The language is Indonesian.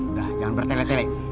udah jangan bertelek telek